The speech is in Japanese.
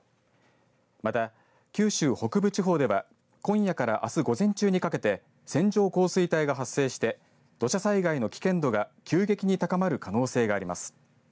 また九州北部地方では今夜からあす午前中にかけて線状降水帯が発生して土砂災害の危険度が急激に高まる可能性があります。